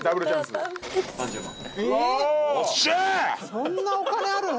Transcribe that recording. そんなお金あるの？